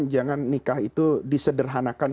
jangan nikah itu disederhanakan